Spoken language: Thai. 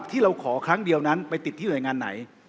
ที่เราขอครั้งเดียวนั้นไปติดที่หน่วยงานไหน